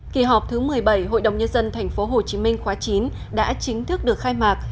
kỳ họp thứ một mươi bảy hội đồng nhân dân tp hcm khóa chín đã chính thức được khai mạc